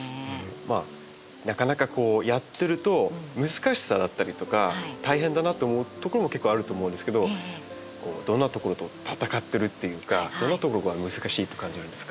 まあなかなかこうやってると難しさだったりとか大変だなと思うところも結構あると思うんですけどどんなところと闘ってるっていうかどんなところが難しいと感じるんですか？